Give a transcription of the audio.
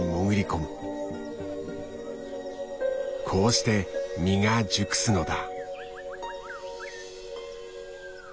こうして実が熟すのだ。